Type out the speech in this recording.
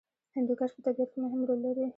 هندوکش په طبیعت کې مهم رول لري.